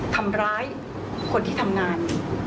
ทำร้ายคนที่ทำงาน